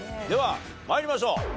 では参りましょう。